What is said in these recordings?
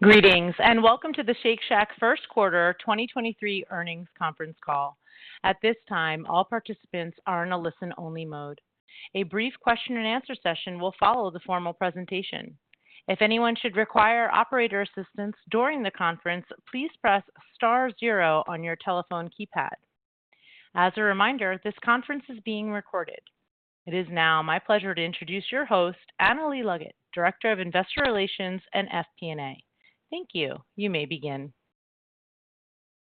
Greetings, and welcome to the Shake Shack first quarter 2023 earnings conference call. At this time, all participants are in a listen only mode. A brief question and answer session will follow the formal presentation. If anyone should require operator assistance during the conference, please press star zero on your telephone keypad. As a reminder, this conference is being recorded. It is now my pleasure to introduce your host, Annalee Leggett, Director of Investor Relations and FP&A. Thank you. You may begin.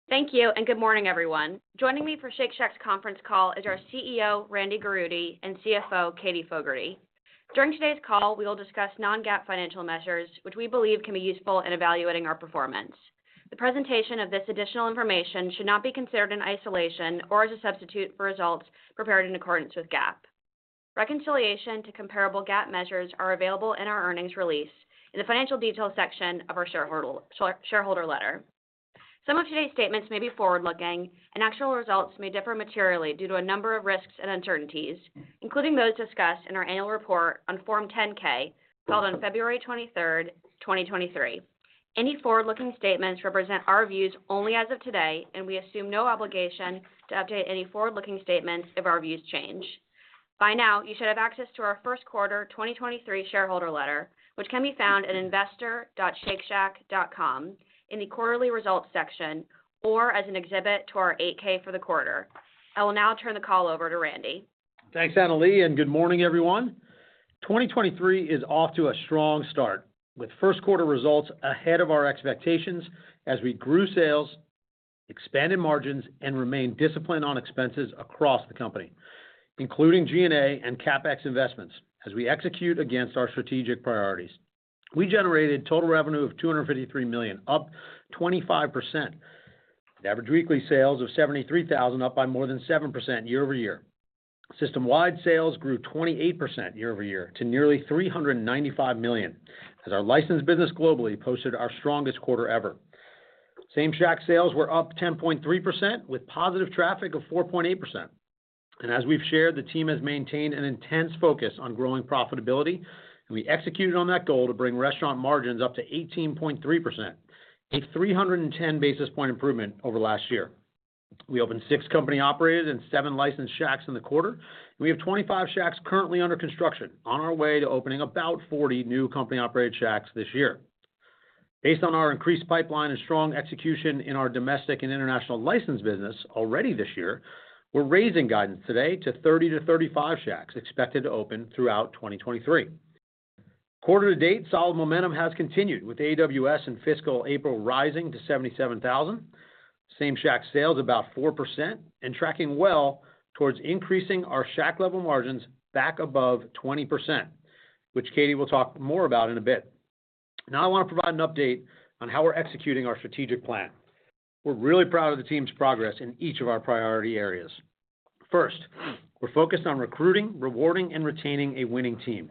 Thank you. Good morning, everyone. Joining me for Shake Shack's conference call is our CEO, Randy Garutti, and CFO, Katherine Fogertey. During today's call, we will discuss non-GAAP financial measures, which we believe can be useful in evaluating our performance. The presentation of this additional information should not be considered in isolation or as a substitute for results prepared in accordance with GAAP. Reconciliation to comparable GAAP measures are available in our earnings release in the financial details section of our shareholder letter. Some of today's statements may be forward-looking. Actual results may differ materially due to a number of risks and uncertainties, including those discussed in our annual report on Form 10-K filed on February 23rd, 2023. Any forward-looking statements represent our views only as of today. We assume no obligation to update any forward-looking statements if our views change. By now, you should have access to our first quarter 2023 shareholder letter, which can be found at investor.shakeshack.com in the quarterly results section or as an exhibit to our 8-K for the quarter. I will now turn the call over to Randy. Thanks, Annalee. Good morning, everyone. 2023 is off to a strong start with first quarter results ahead of our expectations as we grew sales, expanded margins, and remained disciplined on expenses across the company, including G&A and CapEx investments as we execute against our strategic priorities. We generated total revenue of $253 million, up 25%. Average weekly sales of $73,000, up by more than 7% year-over-year. System-wide sales grew 28% year-over-year to nearly $395 million as our licensed business globally posted our strongest quarter ever. Same-Shack sales were up 10.3% with positive traffic of 4.8%. As we've shared, the team has maintained an intense focus on growing profitability, and we executed on that goal to bring restaurant margins up to 18.3%, a 310 basis point improvement over last year. We opened 6 company operators and 7 licensed Shacks in the quarter. We have 25 Shacks currently under construction on our way to opening about 40 new company-operated Shacks this year. Based on our increased pipeline and strong execution in our domestic and international license business already this year, we're raising guidance today to 30-35 Shacks expected to open throughout 2023. Quarter to date, solid momentum has continued with AWS in fiscal April rising to $77,000. Same-Shack sales about 4% and tracking well towards increasing our Shack-level margins back above 20%, which Katherine will talk more about in a bit. Now I want to provide an update on how we're executing our strategic plan. We're really proud of the team's progress in each of our priority areas. First, we're focused on recruiting, rewarding, and retaining a winning team.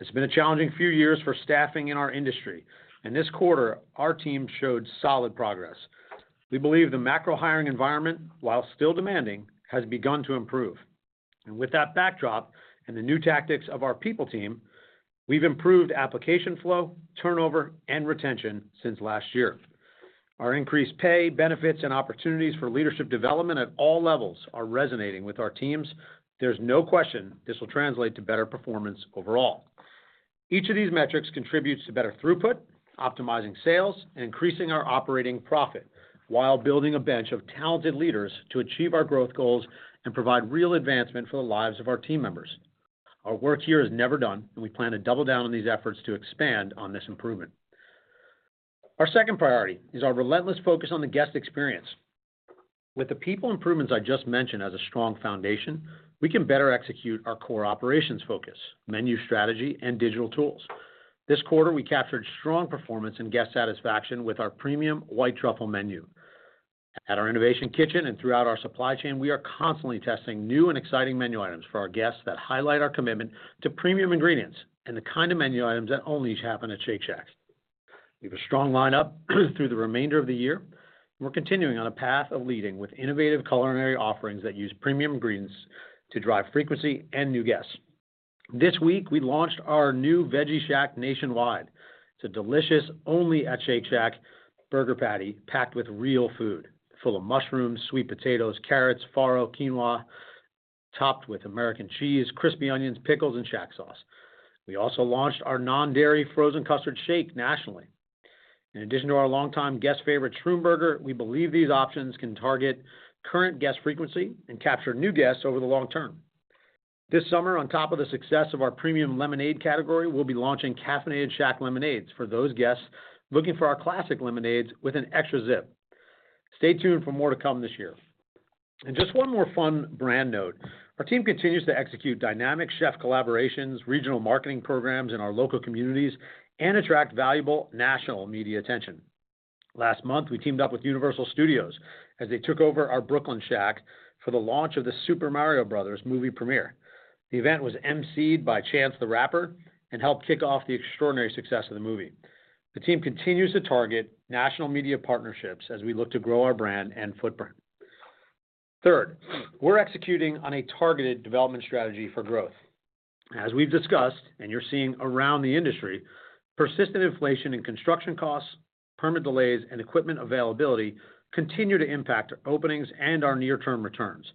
It's been a challenging few years for staffing in our industry, this quarter our team showed solid progress. We believe the macro hiring environment, while still demanding, has begun to improve. With that backdrop and the new tactics of our people team, we've improved application flow, turnover, and retention since last year. Our increased pay, benefits, and opportunities for leadership development at all levels are resonating with our teams. There's no question this will translate to better performance overall. Each of these metrics contributes to better throughput, optimizing sales, increasing our operating profit while building a bench of talented leaders to achieve our growth goals and provide real advancement for the lives of our team members. Our work here is never done, and we plan to double down on these efforts to expand on this improvement. Our second priority is our relentless focus on the guest experience. With the people improvements I just mentioned as a strong foundation, we can better execute our core operations focus, menu strategy, and digital tools. This quarter, we captured strong performance and guest satisfaction with our premium White Truffle Menu. At our Innovation Kitchen and throughout our supply chain, we are constantly testing new and exciting menu items for our guests that highlight our commitment to premium ingredients and the kind of menu items that only happen at Shake Shack. We have a strong lineup through the remainder of the year. We're continuing on a path of leading with innovative culinary offerings that use premium ingredients to drive frequency and new guests. This week, we launched our new Veggie Shack nationwide. It's a delicious only at Shake Shack burger patty packed with real food, full of mushrooms, sweet potatoes, carrots, farro, quinoa, topped with American cheese, crispy onions, pickles, and ShackSauce. We also launched our non-dairy frozen custard shake nationally. In addition to our longtime guest favorite 'Shroom Burger, we believe these options can target current guest frequency and capture new guests over the long term. This summer, on top of the success of our premium lemonade category, we'll be launching caffeinated Shack lemonades for those guests looking for our classic lemonades with an extra zip. Stay tuned for more to come this year. Just one more fun brand note. Our team continues to execute dynamic chef collaborations, regional marketing programs in our local communities, and attract valuable national media attention. Last month, we teamed up with Universal Studios as they took over our Brooklyn Shack for the launch of The Super Mario Bros. Movie premiere. The event was emceed by Chance the Rapper and helped kick off the extraordinary success of the movie. The team continues to target national media partnerships as we look to grow our brand and footprint. Third, we're executing on a targeted development strategy for growth. As we've discussed, and you're seeing around the industry, persistent inflation in construction costs, permit delays, and equipment availability continue to impact openings and our near-term returns.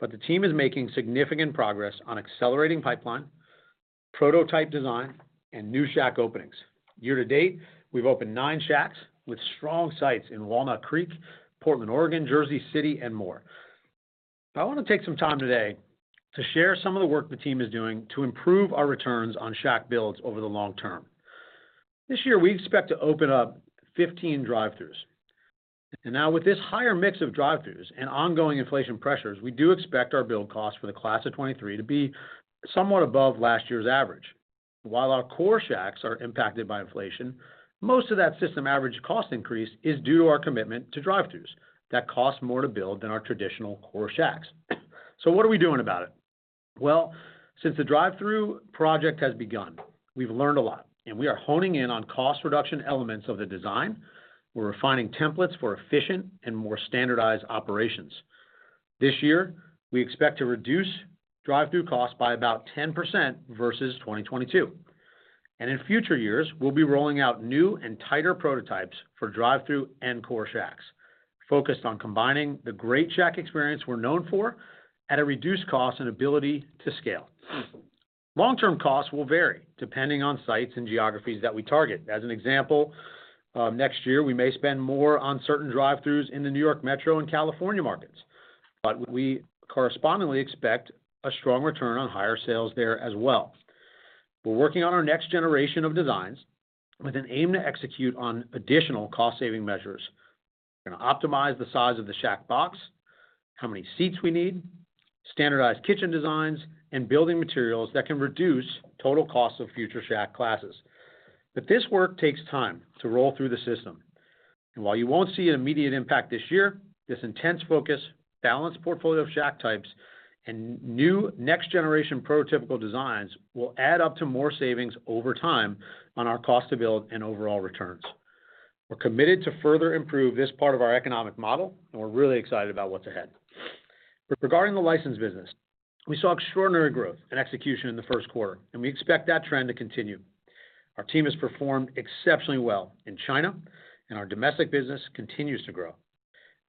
The team is making significant progress on accelerating pipeline, prototype design, and new Shack openings. Year to date, we've opened 9 Shacks with strong sites in Walnut Creek, Portland, Oregon, Jersey City, and more. I want to take some time today to share some of the work the team is doing to improve our returns on Shack builds over the long term. This year, we expect to open up 15 drive-throughs. Now with this higher mix of drive-throughs and ongoing inflation pressures, we do expect our build costs for the class of 23 to be somewhat above last year's average. While our core Shacks are impacted by inflation, most of that system average cost increase is due to our commitment to drive-throughs that cost more to build than our traditional core Shacks. What are we doing about it? Since the drive-through project has begun, we've learned a lot, and we are honing in on cost reduction elements of the design. We're refining templates for efficient and more standardized operations. This year, we expect to reduce drive-thru costs by about 10% versus 2022. In future years, we'll be rolling out new and tighter prototypes for drive-thru and core Shacks, focused on combining the great Shack experience we're known for at a reduced cost and ability to scale. Long-term costs will vary depending on sites and geographies that we target. As an example, next year, we may spend more on certain drive-throughs in the New York Metro and California markets. We correspondingly expect a strong return on higher sales there as well. We're working on our next generation of designs with an aim to execute on additional cost-saving measures. We're going to optimize the size of the Shack box, how many seats we need, standardized kitchen designs, and building materials that can reduce total cost of future Shack classes. This work takes time to roll through the system. While you won't see an immediate impact this year, this intense focus, balanced portfolio of Shack types, and new next-generation prototypical designs will add up to more savings over time on our cost to build and overall returns. We're committed to further improve this part of our economic model, and we're really excited about what's ahead. With regarding the license business, we saw extraordinary growth and execution in the first quarter, and we expect that trend to continue. Our team has performed exceptionally well in China, and our domestic business continues to grow.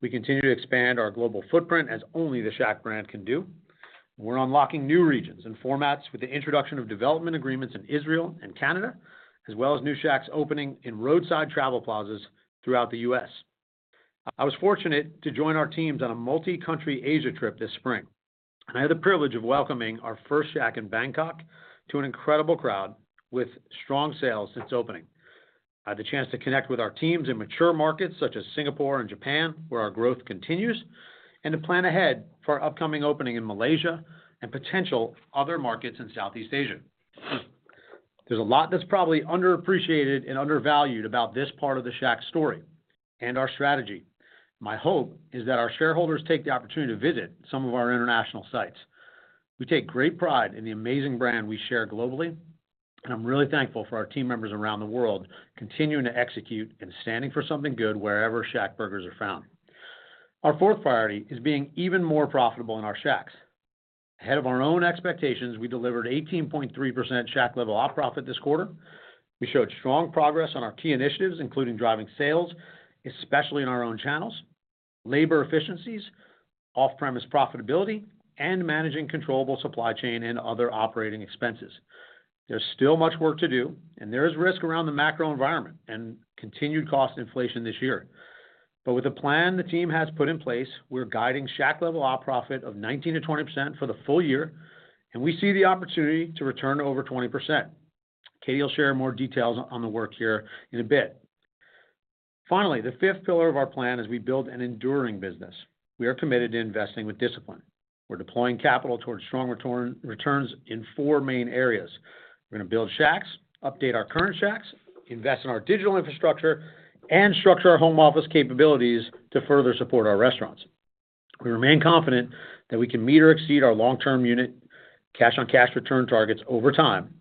We continue to expand our global footprint as only the Shack brand can do. We're unlocking new regions and formats with the introduction of development agreements in Israel and Canada, as well as new Shacks opening in roadside travel plazas throughout the U.S. I was fortunate to join our teams on a multi-country Asia trip this spring. I had the privilege of welcoming our first Shack in Bangkok to an incredible crowd with strong sales since opening. I had the chance to connect with our teams in mature markets such as Singapore and Japan, where our growth continues, and to plan ahead for our upcoming opening in Malaysia and potential other markets in Southeast Asia. There's a lot that's probably underappreciated and undervalued about this part of the Shack story and our strategy. My hope is that our shareholders take the opportunity to visit some of our international sites. We take great pride in the amazing brand we share globally. I'm really thankful for our team members around the world continuing to execute and standing for something good wherever ShackBurgers are found. Our fourth priority is being even more profitable in our Shacks. Ahead of our own expectations, we delivered 18.3% Shack-level op profit this quarter. We showed strong progress on our key initiatives, including driving sales, especially in our own channels, labor efficiencies, off-premise profitability, and managing controllable supply chain and other operating expenses. There's still much work to do. There is risk around the macro environment and continued cost inflation this year. With the plan the team has put in place, we're guiding Shack-level op profit of 19%-20% for the full year. We see the opportunity to return over 20%. Katherine will share more details on the work here in a bit. The fifth pillar of our plan is we build an enduring business. We are committed to investing with discipline. We're deploying capital towards strong returns in four main areas. We're going to build Shacks, update our current Shacks, invest in our digital infrastructure, and structure our home office capabilities to further support our restaurants. We remain confident that we can meet or exceed our long-term unit cash-on-cash return targets over time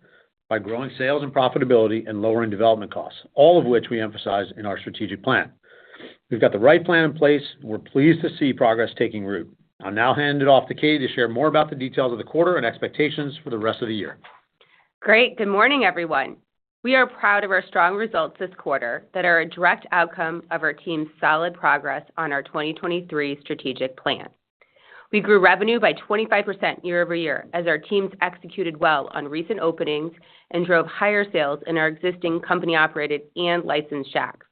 by growing sales and profitability and lowering development costs, all of which we emphasize in our strategic plan. We've got the right plan in place. We're pleased to see progress taking root. I'll now hand it off to Katherine to share more about the details of the quarter and expectations for the rest of the year. Great. Good morning, everyone. We are proud of our strong results this quarter that are a direct outcome of our team's solid progress on our 2023 strategic plan. We grew revenue by 25% year-over-year as our teams executed well on recent openings and drove higher sales in our existing company-operated and licensed Shacks.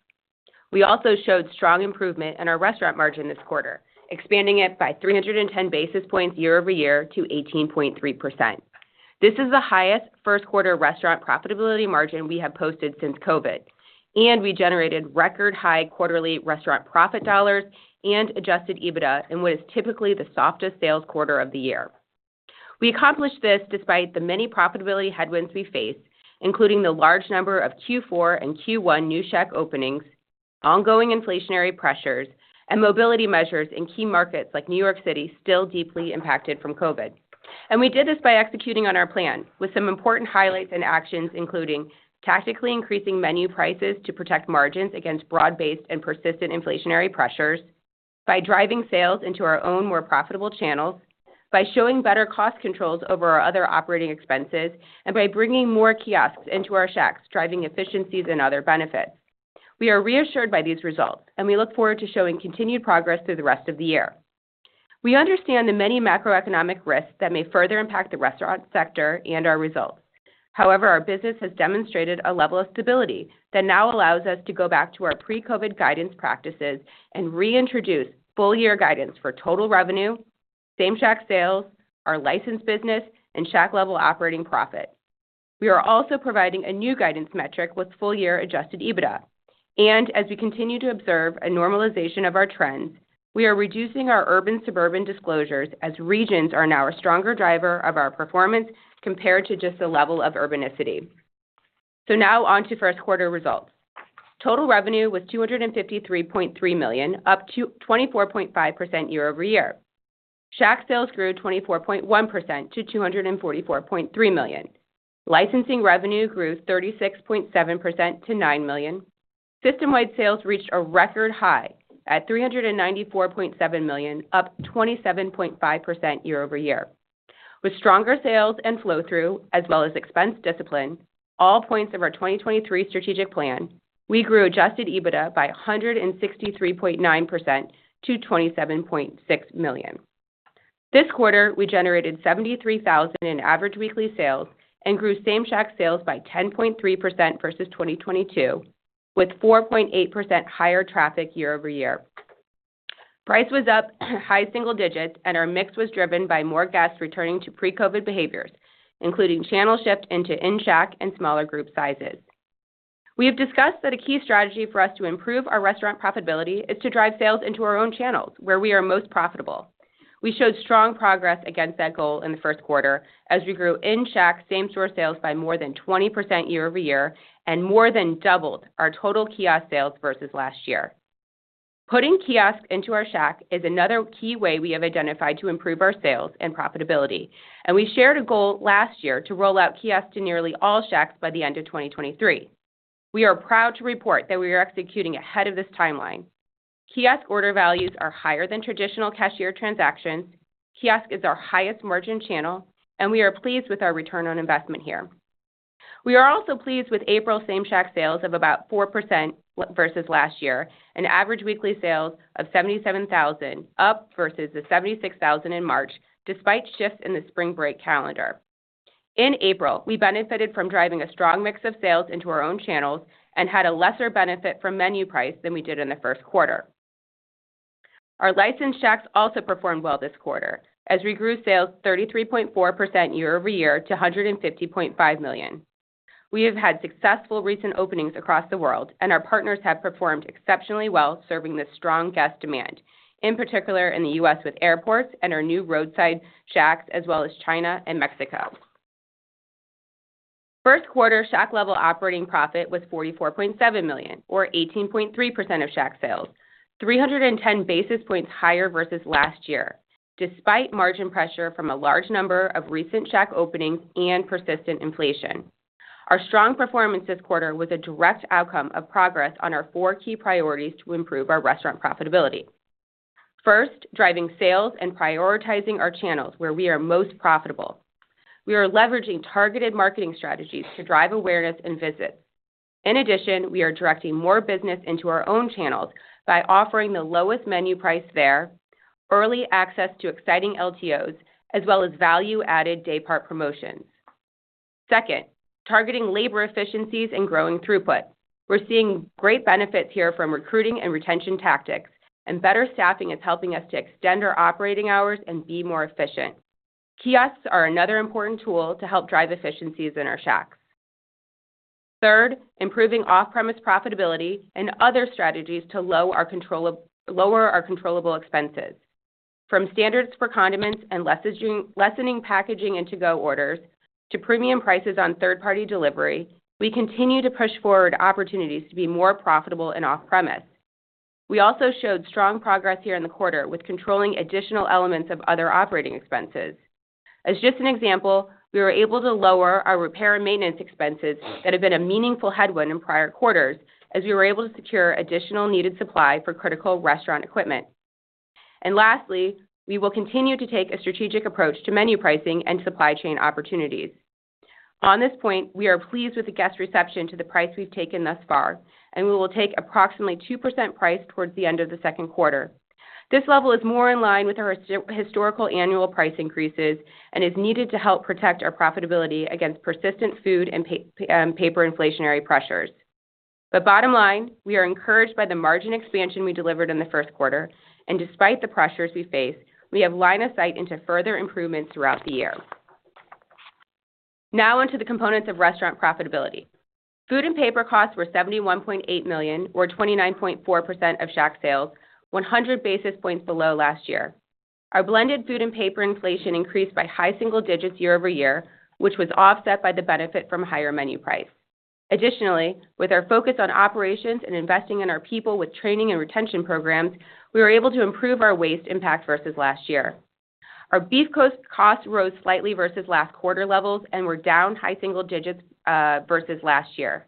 We also showed strong improvement in our restaurant margin this quarter, expanding it by 310 basis points year-over-year to 18.3%. This is the highest first quarter restaurant profitability margin we have posted since COVID, and we generated record high quarterly restaurant profit dollars and Adjusted EBITDA in what is typically the softest sales quarter of the year. We accomplished this despite the many profitability headwinds we faced, including the large number of Q4 and Q1 new Shack openings, ongoing inflationary pressures, and mobility measures in key markets like New York City, still deeply impacted from COVID. We did this by executing on our plan with some important highlights and actions, including tactically increasing menu prices to protect margins against broad-based and persistent inflationary pressures, by driving sales into our own more profitable channels, by showing better cost controls over our other operating expenses, and by bringing more kiosks into our Shacks, driving efficiencies and other benefits. We are reassured by these results, and we look forward to showing continued progress through the rest of the year. We understand the many macroeconomic risks that may further impact the restaurant sector and our results. Our business has demonstrated a level of stability that now allows us to go back to our pre-COVID guidance practices and reintroduce full year guidance for total revenue, Same-Shack sales, our licensed business, and Shack-level operating profit. We are also providing a new guidance metric with full year Adjusted EBITDA. As we continue to observe a normalization of our trends, we are reducing our urban/suburban disclosures as regions are now a stronger driver of our performance compared to just the level of urbanicity. Now on to first quarter results. Total revenue was $253.3 million, up 24.5% year-over-year. Shack sales grew 24.1% to $244.3 million. Licensing revenue grew 36.7% to $9 million. System-wide sales reached a record high at $394.7 million, up 27.5% year over year. With stronger sales and flow-through, as well as expense discipline, all points of our 2023 strategic plan, we grew Adjusted EBITDA by 163.9% to $27.6 million. This quarter, we generated $73,000 in average weekly sales and grew Same-Shack sales by 10.3% versus 2022, with 4.8% higher traffic year over year. Price was up high single digits, and our mix was driven by more guests returning to pre-COVID behaviors, including channel shift into in-Shack and smaller group sizes. We have discussed that a key strategy for us to improve our restaurant profitability is to drive sales into our own channels where we are most profitable. We showed strong progress against that goal in the first quarter as we grew in-Shack Same-Shack sales by more than 20% year-over-year and more than doubled our total kiosk sales versus last year. Putting kiosks into our Shack is another key way we have identified to improve our sales and profitability, and we shared a goal last year to roll out kiosks to nearly all Shacks by the end of 2023. We are proud to report that we are executing ahead of this timeline. Kiosk order values are higher than traditional cashier transactions. Kiosk is our highest margin channel, and we are pleased with our return on investment here. We are also pleased with April Same-Shack sales of about 4% versus last year and Average weekly sales of $77,000, up versus the $76,000 in March, despite shifts in the spring break calendar. In April, we benefited from driving a strong mix of sales into our own channels and had a lesser benefit from menu price than we did in the first quarter. Our licensed Shacks also performed well this quarter as we grew sales 33.4% year-over-year to $150.5 million. We have had successful recent openings across the world, and our partners have performed exceptionally well serving the strong guest demand, in particular in the U.S. with airports and our new roadside Shacks, as well as China and Mexico. First quarter Shack-level operating profit was $44.7 million or 18.3% of Shack sales, 310 basis points higher versus last year, despite margin pressure from a large number of recent Shack openings and persistent inflation. Our strong performance this quarter was a direct outcome of progress on our four key priorities to improve our restaurant profitability. First, driving sales and prioritizing our channels where we are most profitable. We are leveraging targeted marketing strategies to drive awareness and visits. In addition, we are directing more business into our own channels by offering the lowest menu price there, early access to exciting LTOs, as well as value-added day part promotions. Second, targeting labor efficiencies and growing throughput. We're seeing great benefits here from recruiting and retention tactics, and better staffing is helping us to extend our operating hours and be more efficient. Kiosks are another important tool to help drive efficiencies in our Shacks. Third, improving off-premise profitability and other strategies to lower our controllable expenses. From standards for condiments and lessening packaging in to-go orders to premium prices on third-party delivery, we continue to push forward opportunities to be more profitable in off-premise. We also showed strong progress here in the quarter with controlling additional elements of other operating expenses. As just an example, we were able to lower our repair and maintenance expenses that have been a meaningful headwind in prior quarters as we were able to secure additional needed supply for critical restaurant equipment. Lastly, we will continue to take a strategic approach to menu pricing and supply chain opportunities. On this point, we are pleased with the guest reception to the price we've taken thus far. We will take approximately 2% price towards the end of the second quarter. This level is more in line with our historical annual price increases and is needed to help protect our profitability against persistent food and paper inflationary pressures. Bottom line, we are encouraged by the margin expansion we delivered in the first quarter. Despite the pressures we face, we have line of sight into further improvements throughout the year. On to the components of restaurant profitability. Food and paper costs were $71.8 million or 29.4% of Shack sales, 100 basis points below last year. Our blended food and paper inflation increased by high single digits year-over-year, which was offset by the benefit from higher menu price. Additionally, with our focus on operations and investing in our people with training and retention programs, we were able to improve our waste impact versus last year. Our beef cost rose slightly versus last quarter levels and were down high single digits versus last year.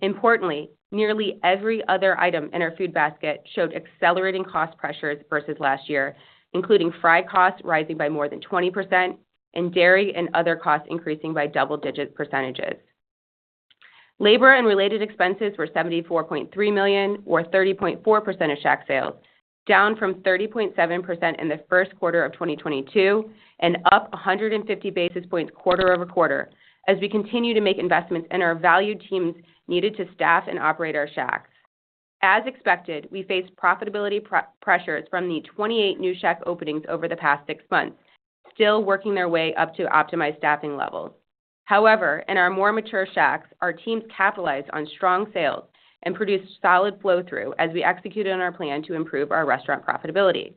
Importantly, nearly every other item in our food basket showed accelerating cost pressures versus last year, including fry costs rising by more than 20% and dairy and other costs increasing by double-digit percentages. Labor and related expenses were $74.3 million or 30.4% of Shack sales, down from 30.7% in the first quarter of 2022 and up 150 basis points quarter-over-quarter as we continue to make investments in our valued teams needed to staff and operate our Shacks. As expected, we faced profitability pressures from the 28 new Shack openings over the past six months, still working their way up to optimized staffing levels. However, in our more mature Shacks, our teams capitalized on strong sales and produced solid flow-through as we executed on our plan to improve our restaurant profitability.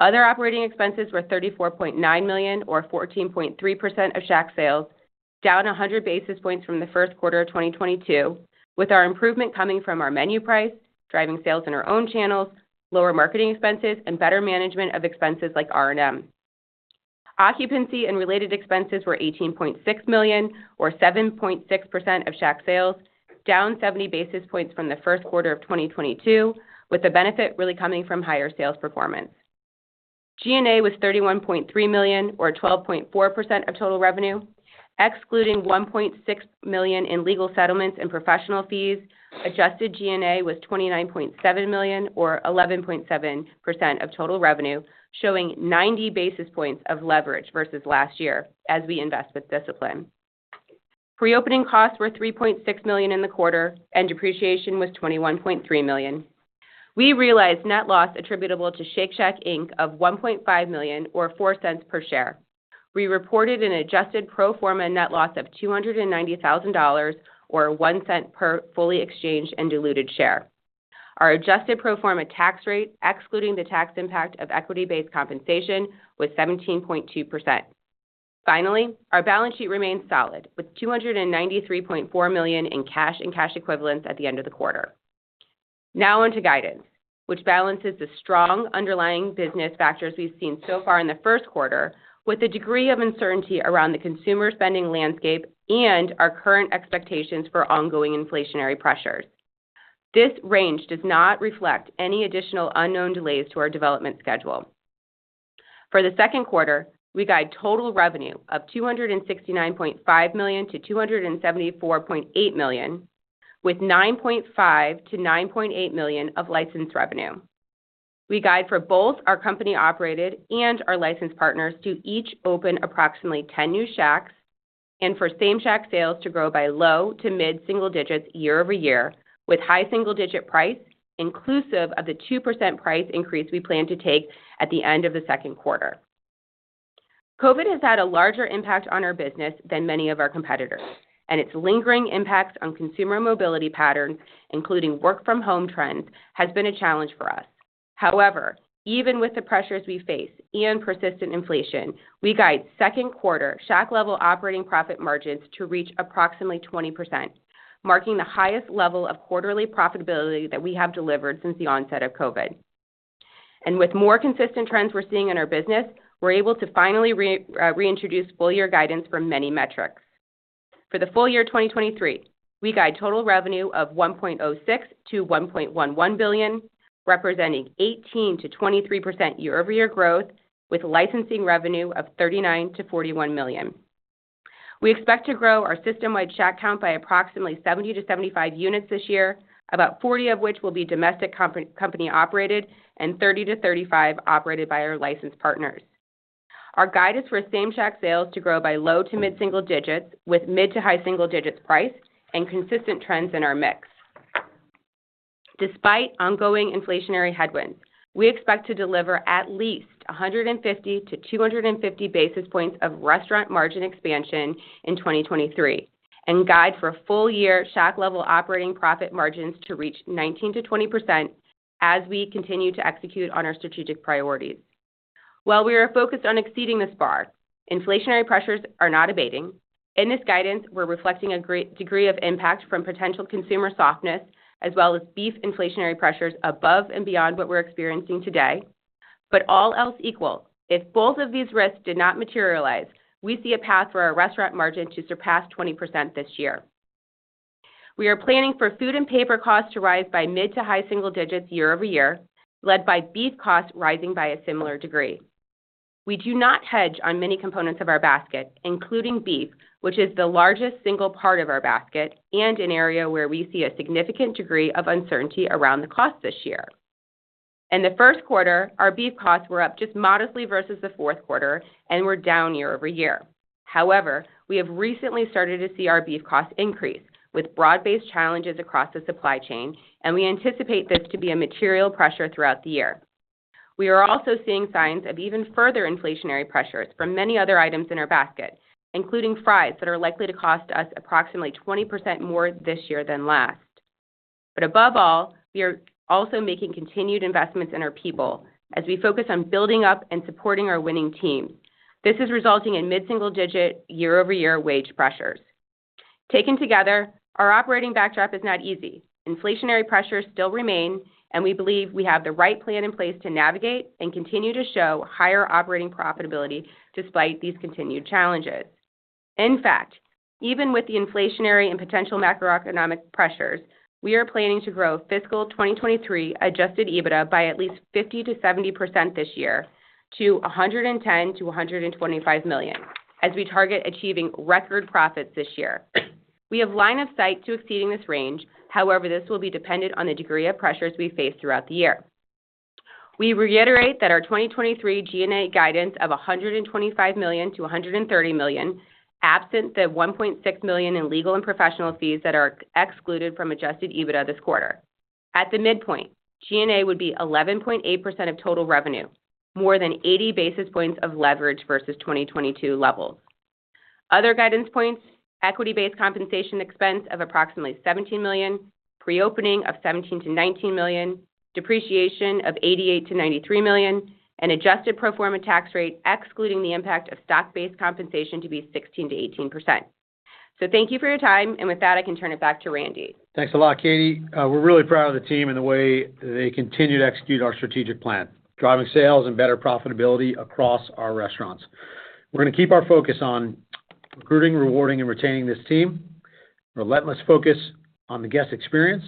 Other operating expenses were $34.9 million or 14.3% of Shack sales, down 100 basis points from the first quarter of 2022, with our improvement coming from our menu price, driving sales in our own channels, lower marketing expenses, and better management of expenses like R&M. Occupancy and related expenses were $18.6 million or 7.6% of Shack sales, down 70 basis points from the first quarter of 2022, with the benefit really coming from higher sales performance. G&A was $31.3 million or 12.4% of total revenue. Excluding $1.6 million in legal settlements and professional fees, adjusted G&A was $29.7 million or 11.7% of total revenue, showing 90 basis points of leverage versus last year as we invest with discipline. Pre-opening costs were $3.6 million in the quarter, and depreciation was $21.3 million. We realized net loss attributable to Shake Shack Inc of $1.5 million or $0.04 per share. We reported an adjusted pro forma net loss of $290,000 or $0.01 per fully exchanged and diluted share. Our adjusted pro forma tax rate, excluding the tax impact of equity-based compensation, was 17.2%. Our balance sheet remains solid, with $293.4 million in cash and cash equivalents at the end of the quarter. On to guidance, which balances the strong underlying business factors we've seen so far in the first quarter with a degree of uncertainty around the consumer spending landscape and our current expectations for ongoing inflationary pressures. This range does not reflect any additional unknown delays to our development schedule. For the second quarter, we guide total revenue of $269.5 million to $274.8 million with $9.5 million-$9.8 million of licensed revenue. We guide for both our company-operated and our license partners to each open approximately 10 new Shacks and for Same-Shack sales to grow by low to mid-single digits year-over-year with high single-digit price inclusive of the 2% price increase we plan to take at the end of the second quarter. COVID has had a larger impact on our business than many of our competitors. Its lingering impact on consumer mobility patterns, including work from home trends, has been a challenge for us. Even with the pressures we face and persistent inflation, we guide second quarter Shack-level operating profit margins to reach approximately 20%, marking the highest level of quarterly profitability that we have delivered since the onset of COVID. With more consistent trends we're seeing in our business, we're able to finally reintroduce full year guidance for many metrics. For the full year 2023, we guide total revenue of $1.06 billion-$1.11 billion, representing 18%-23% year-over-year growth with licensing revenue of $39 million-$41 million. We expect to grow our system-wide Shack count by approximately 70-75 units this year, about 40 of which will be domestic comp-company operated and 30-35 operated by our licensed partners. Our guide is for Same-Shack sales to grow by low-to-mid single digits with mid-to-high single digits price and consistent trends in our mix. Despite ongoing inflationary headwinds, we expect to deliver at least 150-250 basis points of restaurant margin expansion in 2023 and guide for a full year Shack-level operating profit margins to reach 19%-20% as we continue to execute on our strategic priorities. While we are focused on exceeding this bar, inflationary pressures are not abating. In this guidance, we're reflecting a degree of impact from potential consumer softness as well as beef inflationary pressures above and beyond what we're experiencing today. All else equal, if both of these risks did not materialize, we see a path for our restaurant margin to surpass 20% this year. We are planning for food and paper costs to rise by mid to high single digits year-over-year, led by beef costs rising by a similar degree. We do not hedge on many components of our basket, including beef, which is the largest single part of our basket and an area where we see a significant degree of uncertainty around the cost this year. In the first quarter, our beef costs were up just modestly versus the fourth quarter and were down year-over-year. However, we have recently started to see our beef cost increase with broad-based challenges across the supply chain, and we anticipate this to be a material pressure throughout the year. We are also seeing signs of even further inflationary pressures from many other items in our basket, including fries that are likely to cost us approximately 20% more this year than last. Above all, we are also making continued investments in our people as we focus on building up and supporting our winning team. This is resulting in mid-single digit year-over-year wage pressures. Taken together, our operating backdrop is not easy. Inflationary pressures still remain, and we believe we have the right plan in place to navigate and continue to show higher operating profitability despite these continued challenges. In fact, even with the inflationary and potential macroeconomic pressures, we are planning to grow fiscal 2023 Adjusted EBITDA by at least 50%-70% this year to $110 million-$125 million as we target achieving record profits this year. We have line of sight to exceeding this range. However, this will be dependent on the degree of pressures we face throughout the year. We reiterate that our 2023 G&A guidance of $125 million-$130 million, absent the $1.6 million in legal and professional fees that are excluded from Adjusted EBITDA this quarter. At the midpoint, G&A would be 11.8% of total revenue, more than 80 basis points of leverage versus 2022 levels. Other guidance points, equity-based compensation expense of approximately $17 million, pre-opening of $17 million-$19 million, depreciation of $88 million-$93 million, an adjusted pro forma tax rate excluding the impact of stock-based compensation to be 16%-18%. Thank you for your time, and with that, I can turn it back to Randy. Thanks a lot, Katherine. We're really proud of the team and the way they continue to execute our strategic plan, driving sales and better profitability across our restaurants. We're gonna keep our focus on recruiting, rewarding, and retaining this team, relentless focus on the guest experience,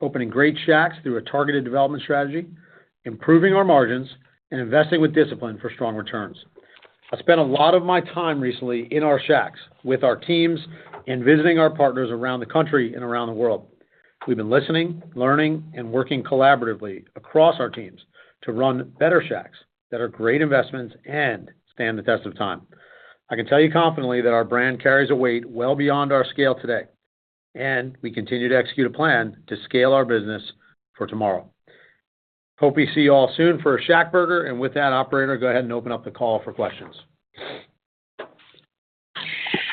opening great Shacks through a targeted development strategy, improving our margins, and investing with discipline for strong returns. I spent a lot of my time recently in our Shacks with our teams and visiting our partners around the country and around the world. We've been listening, learning, and working collaboratively across our teams to run better Shacks that are great investments and stand the test of time. I can tell you confidently that our brand carries a weight well beyond our scale today, and we continue to execute a plan to scale our business for tomorrow. Hope we see you all soon for a ShackBurger. With that, operator, go ahead and open up the call for questions.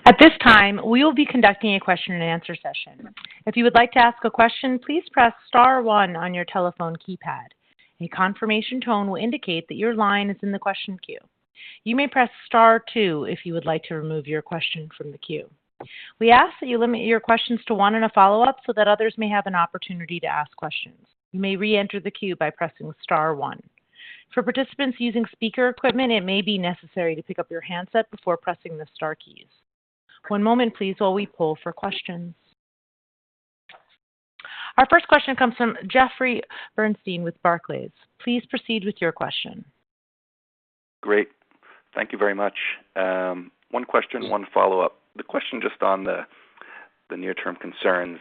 At this time, we will be conducting a question and answer session. If you would like to ask a question, please press star one on your telephone keypad. A confirmation tone will indicate that your line is in the question queue. You may press star two if you would like to remove your question from the queue. We ask that you limit your questions to one and a follow-up so that others may have an opportunity to ask questions. You may reenter the queue by pressing star one. For participants using speaker equipment, it may be necessary to pick up your handset before pressing the star keys. One moment, please, while we poll for questions. Our first question comes from Jeffrey Bernstein with Barclays. Please proceed with your question. Great. Thank you very much. one question, one follow-up. The question just on the near-term concerns,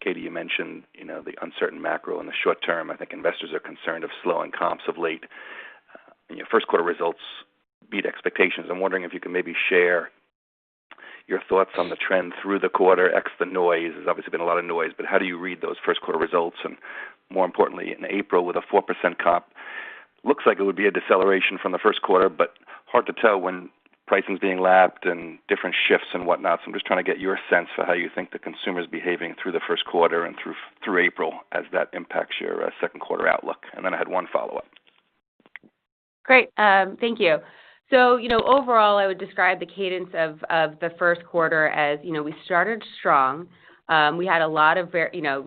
Katherine, you mentioned, you know, the uncertain macro in the short term. I think investors are concerned of slowing comps of late. Your first quarter results beat expectations. I'm wondering if you can maybe share your thoughts on the trend through the quarter, ex the noise. There's obviously been a lot of noise. How do you read those first quarter results? More importantly, in April, with a 4% comp, looks like it would be a deceleration from the first quarter, but hard to tell when pricing's being lapped and different shifts and whatnot. I'm just trying to get your sense for how you think the consumer's behaving through the first quarter and through April as that impacts your second quarter outlook. I had one follow-up. Great. Thank you. You know, overall, I would describe the cadence of the first quarter as, you know, we started strong. We had a lot of very, you know,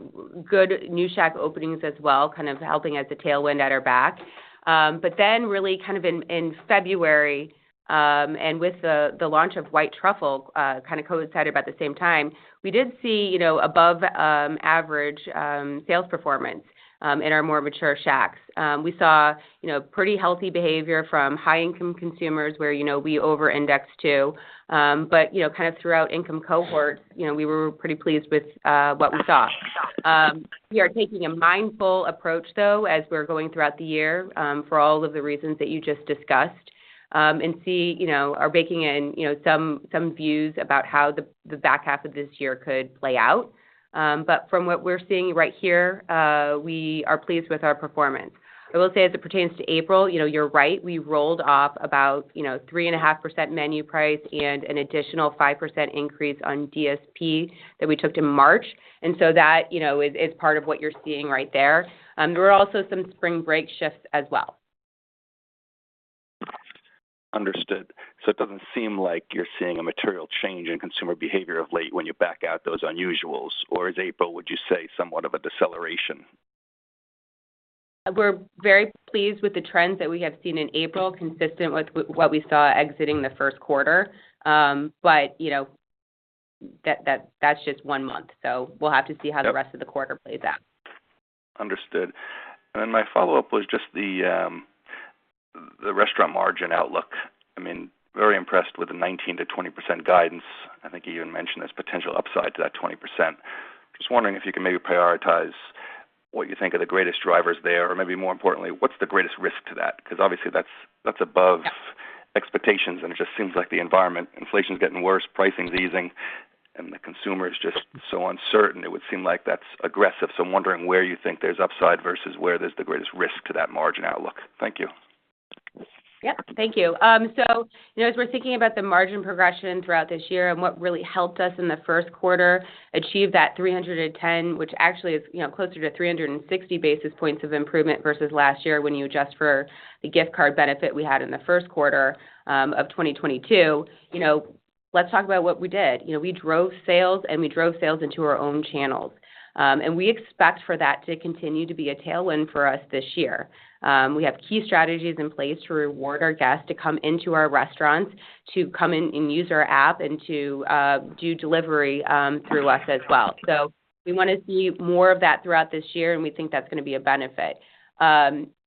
good new Shack openings as well, kind of helping as a tailwind at our back. Really kind of in February, and with the launch of White Truffle, kind of coincided about the same time, we did see, you know, above average sales performance in our more mature Shacks. We saw, you know, pretty healthy behavior from high-income consumers where, you know, we over-index too. You know, kind of throughout income cohorts, you know, we were pretty pleased with what we saw. We are taking a mindful approach, though, as we're going throughout the year, for all of the reasons that you just discussed, and see, you know, are baking in, you know, some views about how the back half of this year could play out. From what we're seeing right here, we are pleased with our performance. I will say, as it pertains to April, you know, you're right, we rolled off about, you know, 3.5% menu price and an additional 5% increase on DSP that we took in March. That, you know, is part of what you're seeing right there. There were also some spring break shifts as well. Understood. It doesn't seem like you're seeing a material change in consumer behavior of late when you back out those unusuals, or is April, would you say, somewhat of a deceleration? We're very pleased with the trends that we have seen in April, consistent with what we saw exiting the first quarter. You know, that's just one month, so we'll have to see how the rest of the quarter plays out. Understood. My follow-up was just the restaurant margin outlook. I mean, very impressed with the 19%-20% guidance. I think you even mentioned there's potential upside to that 20%. Just wondering if you can maybe prioritize what you think are the greatest drivers there, or maybe more importantly, what's the greatest risk to that? Obviously, that's above expectations, and it just seems like the environment, inflation's getting worse, pricing's easing, and the consumer is just so uncertain, it would seem like that's aggressive. I'm wondering where you think there's upside versus where there's the greatest risk to that margin outlook. Thank you. Yep. Thank you. You know, as we're thinking about the margin progression throughout this year and what really helped us in the first quarter achieve that 310, which actually is, you know, closer to 360 basis points of improvement versus last year when you adjust for the gift card benefit we had in the first quarter of 2022, you know, let's talk about what we did. You know, we drove sales, we drove sales into our own channels. We expect for that to continue to be a tailwind for us this year. We have key strategies in place to reward our guests to come into our restaurants, to come in and use our app and to do delivery through us as well. We wanna see more of that throughout this year, and we think that's gonna be a benefit.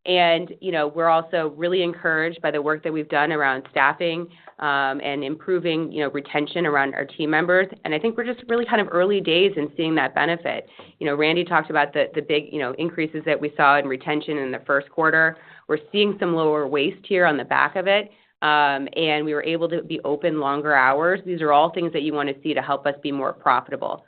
You know, we're also really encouraged by the work that we've done around staffing, and improving, you know, retention around our team members. I think we're just really kind of early days in seeing that benefit. You know, Randy Garutti talked about the big, you know, increases that we saw in retention in the first quarter. We're seeing some lower waste here on the back of it, and we were able to be open longer hours. These are all things that you wanna see to help us be more profitable.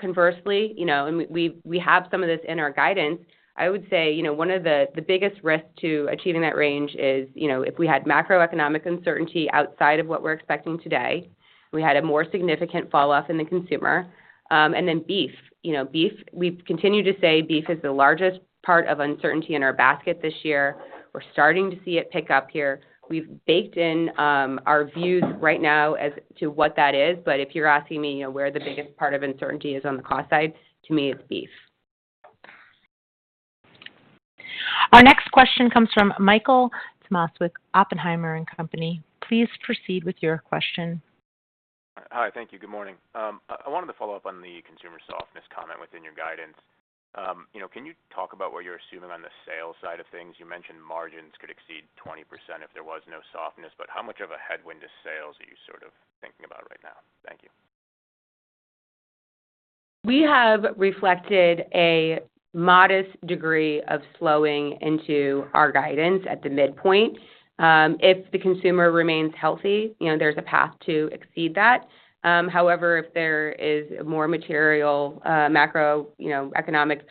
Conversely, you know, we have some of this in our guidance, I would say, you know, one of the biggest risk to achieving that range is, you know, if we had macroeconomic uncertainty outside of what we're expecting today, we had a more significant falloff in the consumer, and then beef. You know, beef, we've continued to say beef is the largest part of uncertainty in our basket this year. We're starting to see it pick up here. We've baked in our views right now as to what that is, if you're asking me, you know, where the biggest part of uncertainty is on the cost side, to me, it's beef. Our next question comes from Michael Tamas with Oppenheimer and Company. Please proceed with your question. Hi. Thank you. Good morning. I wanted to follow up on the consumer softness comment within your guidance. You know, can you talk about what you're assuming on the sales side of things? You mentioned margins could exceed 20% if there was no softness, but how much of a headwind to sales are you sort of thinking about right now? Thank you. We have reflected a modest degree of slowing into our guidance at the midpoint. If the consumer remains healthy, you know, there's a path to exceed that. However, if there is more material, macro, you know, economic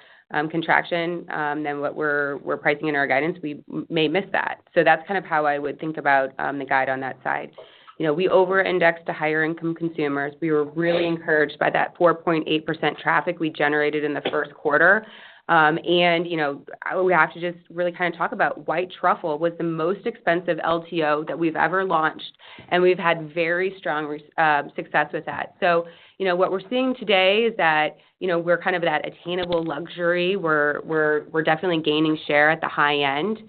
contraction, than what we're pricing in our guidance, we may miss that. That's kind of how I would think about the guide on that side. You know, we over-indexed to higher income consumers. We were really encouraged by that 4.8% traffic we generated in the first quarter. And, you know, we have to just really kind of talk about White Truffle was the most expensive LTO that we've ever launched, and we've had very strong success with that. You know, what we're seeing today is that, you know, we're kind of that attainable luxury. We're definitely gaining share at the high end.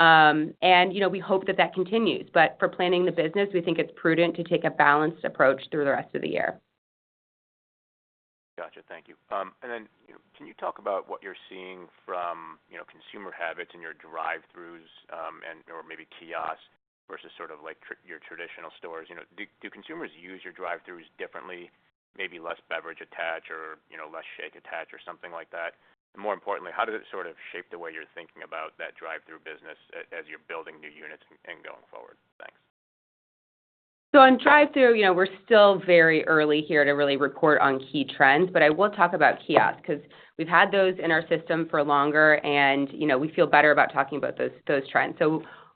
You know, we hope that that continues. For planning the business, we think it's prudent to take a balanced approach through the rest of the year. Gotcha. Thank you. Then, you know, can you talk about what you're seeing from, you know, consumer habits in your drive-throughs, and/or maybe kiosks versus sort of like your traditional stores? You know, do consumers use your drive-throughs differently, maybe less beverage attach or, you know, less shake attach or something like that? More importantly, how does it sort of shape the way you're thinking about that drive-through business as you're building new units and going forward? Thanks. On drive-through, you know, we're still very early here to really report on key trends, but I will talk about kiosk 'cause we've had those in our system for longer and, you know, we feel better about talking about those trends.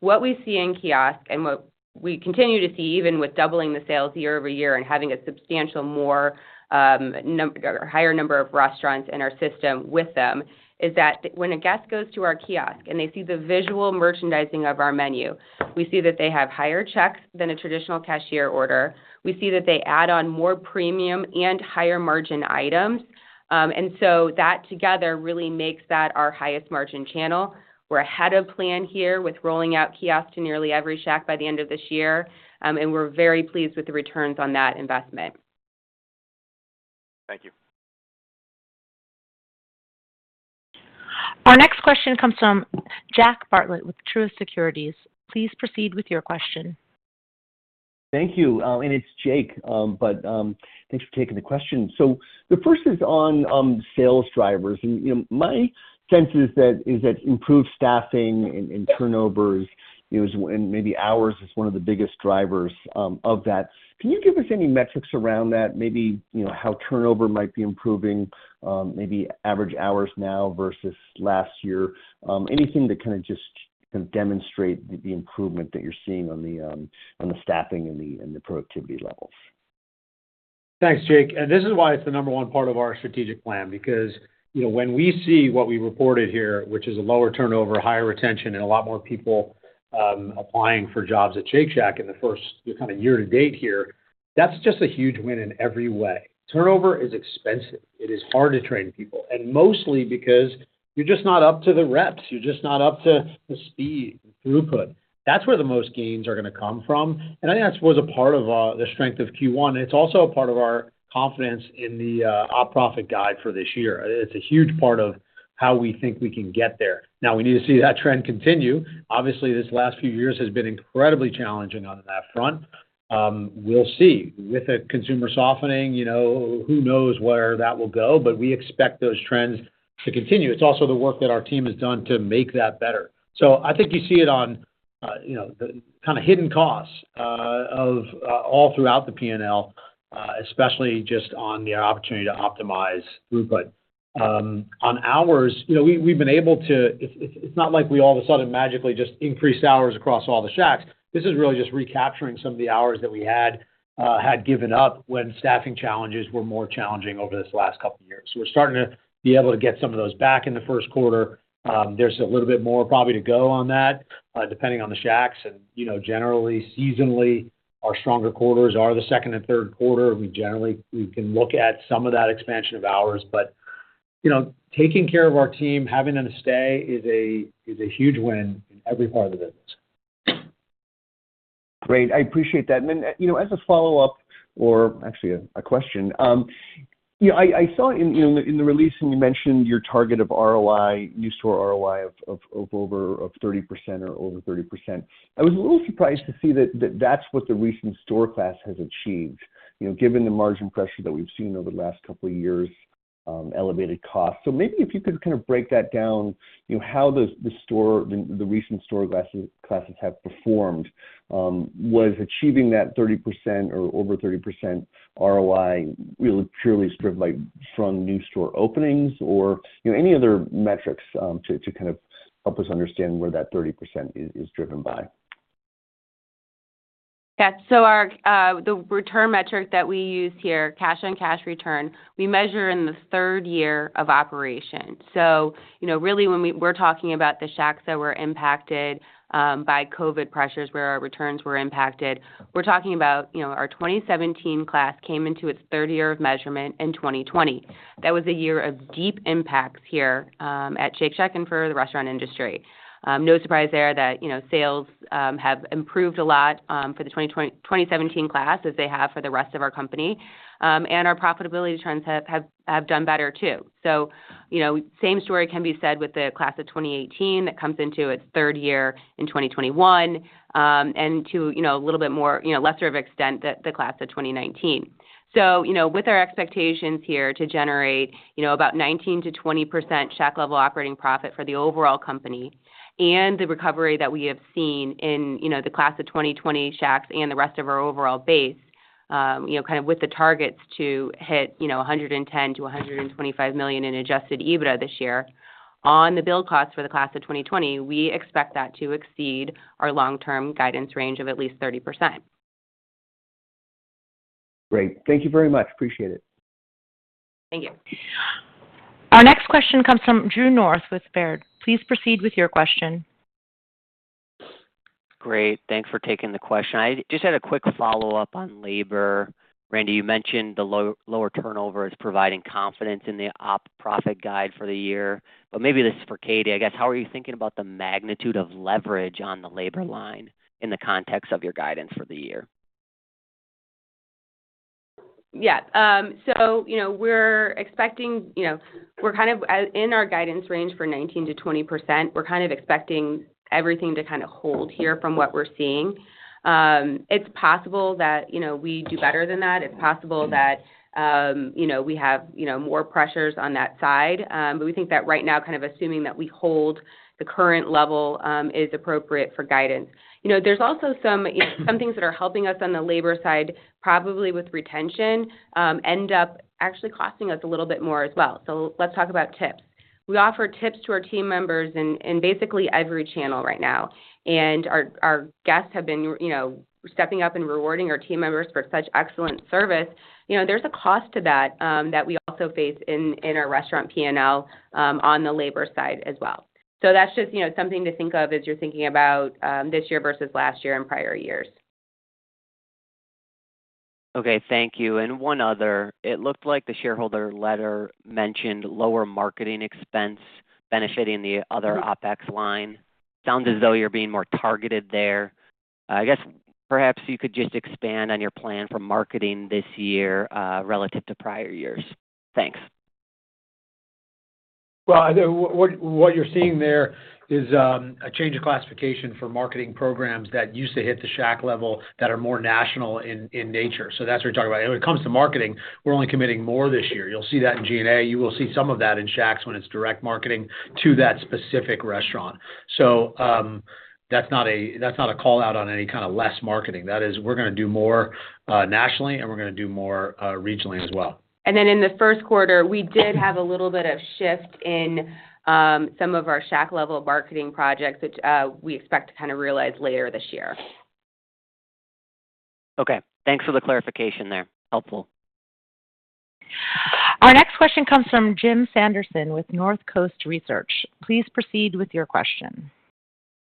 What we see in kiosk and what we continue to see even with doubling the sales year-over-year and having a substantial more or higher number of restaurants in our system with them is that when a guest goes to our kiosk and they see the visual merchandising of our menu, we see that they have higher checks than a traditional cashier order. We see that they add on more premium and higher margin items. That together really makes that our highest margin channel. We're ahead of plan here with rolling out kiosk to nearly every Shack by the end of this year, and we're very pleased with the returns on that investment. Thank you. Our next question comes from Jake Bartlett with Truist Securities. Please proceed with your question. Thank you. It's Jake. Thanks for taking the question. The first is on sales drivers. You know, my sense is that improved staffing and turnovers, you know, and maybe hours is one of the biggest drivers of that. Can you give us any metrics around that? Maybe, you know, how turnover might be improving, maybe average hours now versus last year. Anything to kind of just demonstrate the improvement that you're seeing on the staffing and the productivity levels. Thanks, Jake. This is why it's the number one part of our strategic plan because, you know, when we see what we reported here, which is a lower turnover, higher retention, and a lot more people applying for jobs at Shake Shack in the first kind of year to date here, that's just a huge win in every way. Turnover is expensive. It is hard to train people, and mostly because you're just not up to the reps. You're just not up to the speed, throughput. That's where the most gains are gonna come from. I think that's what is a part of the strength of Q1. It's also a part of our confidence in the op profit guide for this year. It's a huge part of how we think we can get there. Now we need to see that trend continue. Obviously, this last few years has been incredibly challenging on that front. We'll see. With a consumer softening, you know, who knows where that will go, but we expect those trends to continue. It's also the work that our team has done to make that better. I think you see it on, you know, the kinda hidden costs of all throughout the P&L. Especially just on the opportunity to optimize throughput. On hours, you know, we've been able to it's not like we all of a sudden magically just increased hours across all the Shacks. This is really just recapturing some of the hours that we had had given up when staffing challenges were more challenging over this last couple years. We're starting to be able to get some of those back in the first quarter. There's a little bit more probably to go on that, depending on the Shacks and, you know, generally, seasonally, our stronger quarters are the second and third quarter. We can look at some of that expansion of hours, but, you know, taking care of our team, having them stay is a, is a huge win in every part of the business. Great. I appreciate that. You know, as a follow-up or actually a question, you know, I saw in, you know, in the release when you mentioned your target of ROI, new store ROI of over 30% or over 30%. I was a little surprised to see that that's what the recent store class has achieved, you know, given the margin pressure that we've seen over the last couple of years, elevated costs. Maybe if you could kind of break that down, you know, how the recent store classes have performed, was achieving that 30% or over 30% ROI really purely sort of like from new store openings or, you know, any other metrics to kind of help us understand where that 30% is driven by. Our, the return metric that we use here, cash-on-cash return, we measure in the third year of operation. You know, really when we're talking about the Shacks that were impacted by COVID pressures where our returns were impacted. We're talking about, you know, our 2017 class came into its third year of measurement in 2020. That was a year of deep impacts here at Shake Shack and for the restaurant industry. No surprise there that, you know, sales have improved a lot for the 2017 class as they have for the rest of our company. And our profitability trends have done better too. you know, same story can be said with the class of 2018 that comes into its third year in 2021, and to, you know, a little bit more, you know, lesser of extent the class of 2019. you know, with our expectations here to generate, you know, about 19%-20% Shack-level operating profit for the overall company and the recovery that we have seen in, you know, the class of 2020 Shacks and the rest of our overall base, you know, kind of with the targets to hit, you know, $110 million-$125 million in Adjusted EBITDA this year. On the build cost for the class of 2020, we expect that to exceed our long-term guidance range of at least 30%. Great. Thank you very much. Appreciate it. Thank you. Our next question comes from Drew North with Baird. Please proceed with your question. Great. Thanks for taking the question. I just had a quick follow-up on labor. Randy, you mentioned the lower turnover is providing confidence in the op profit guide for the year. Maybe this is for Katherine, I guess, how are you thinking about the magnitude of leverage on the labor line in the context of your guidance for the year? You know, we're expecting, you know, we're kind of in our guidance range for 19%-20%. We're kind of expecting everything to kind of hold here from what we're seeing. It's possible that, you know, we do better than that. It's possible that, you know, we have, you know, more pressures on that side. We think that right now, kind of assuming that we hold the current level, is appropriate for guidance. You know, there's also some, you know, some things that are helping us on the labor side, probably with retention, end up actually costing us a little bit more as well. Let's talk about tips. We offer tips to our team members in basically every channel right now. Our guests have been, you know, stepping up and rewarding our team members for such excellent service. You know, there's a cost to that that we also face in our restaurant P&L on the labor side as well. That's just, you know, something to think of as you're thinking about this year versus last year and prior years. Okay. Thank you. One other. It looked like the shareholder letter mentioned lower marketing expense benefiting the other OpEx line. Sounds as though you're being more targeted there. I guess perhaps you could just expand on your plan for marketing this year relative to prior years. Thanks. What you're seeing there is a change of classification for marketing programs that used to hit the Shack level that are more national in nature. That's what we're talking about. When it comes to marketing, we're only committing more this year. You'll see that in G&A. You will see some of that in Shacks when it's direct marketing to that specific restaurant. That's not a call-out on any kind of less marketing. That is, we're gonna do more nationally, and we're gonna do more regionally as well. In the first quarter, we did have a little bit of shift in some of our Shack level marketing projects, which we expect to kind of realize later this year. Okay. Thanks for the clarification there. Helpful. Our next question comes from Jim Sanderson with Northcoast Research. Please proceed with your question.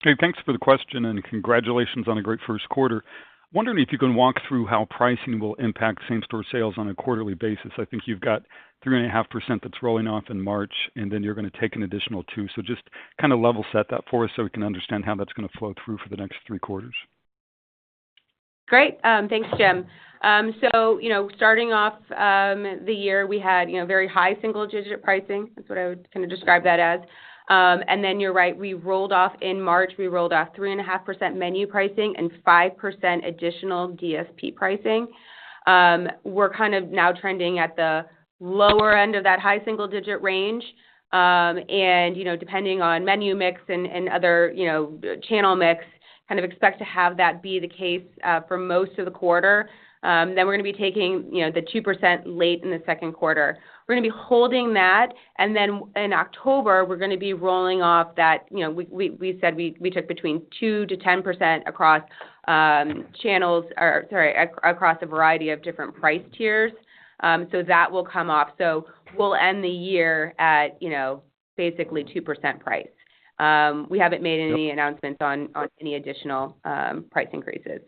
Hey, thanks for the question and congratulations on a great first quarter. Wondering if you can walk through how pricing will impact same-store sales on a quarterly basis. I think you've got 3.5% that's rolling off in March, and then you're going to take an additional 2%. Just kind of level set that for us so we can understand how that's going to flow through for the next three quarters. Great. Thanks, Jim. You know, starting off the year, we had, you know, very high single-digit pricing. That's what I would kinda describe that as. You're right, we rolled off in March. We rolled off 3.5% menu pricing and 5% additional DSP pricing. We're kind of now trending at the lower end of that high single-digit range. And, you know, depending on menu mix and other, you know, channel mix. Kind of expect to have that be the case for most of the quarter. We're gonna be taking, you know, the 2% late in the second quarter. We're gonna be holding that. In October, we're gonna be rolling off that... You know, we said we took between 2%-10% across channels or... Sorry, across a variety of different price tiers. That will come off. We'll end the year at, you know, basically 2% price. We haven't made any announcements on any additional price increases.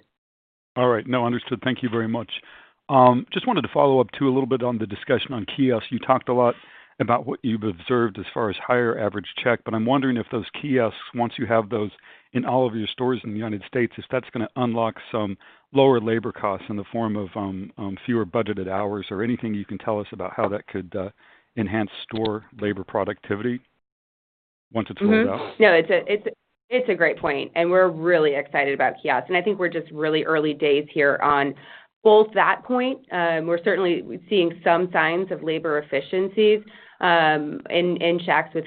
All right. No, understood. Thank you very much. Just wanted to follow up too, a little bit on the discussion on kiosks. You talked a lot about what you've observed as far as higher average check, but I'm wondering if those kiosks, once you have those in all of your stores in the United States, if that's gonna unlock some lower labor costs in the form of, fewer budgeted hours or anything you can tell us about how that could enhance store labor productivity once it's rolled out. It's a great point, and we're really excited about kiosks. I think we're just really early days here on both that point, we're certainly seeing some signs of labor efficiencies in Shacks with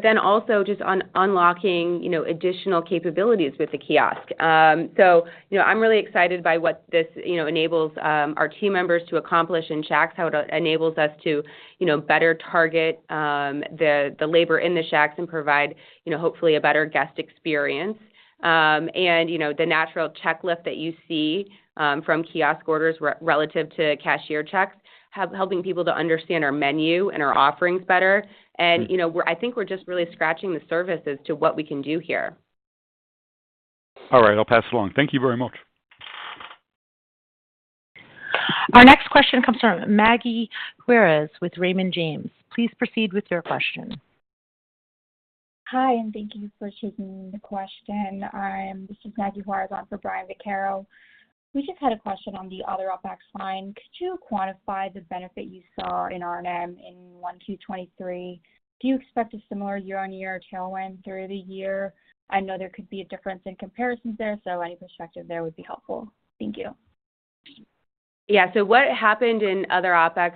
kiosk. Also just on unlocking, you know, additional capabilities with the kiosk. You know, I'm really excited by what this, you know, enables our team members to accomplish in Shacks, how it enables us to, you know, better target the labor in the Shacks and provide, you know, hopefully a better guest experience. You know, the natural checklist that you see from kiosk orders relative to cashier checks, helping people to understand our menu and our offerings better. You know, I think we're just really scratching the surface to what we can do here. All right. I'll pass it along. Thank you very much. Our next question comes from Maggie O'Hearn with Raymond James. Please proceed with your question. Hi, thank you for taking the question. This is Maggie O'Hearn on for Brian Vaccaro. We just had a question on the other OpEx line. Could you quantify the benefit you saw in R&M in 1-2 2023? Do you expect a similar year-on-year tailwind through the year? I know there could be a difference in comparisons there, so any perspective there would be helpful. Thank you. What happened in other OpEx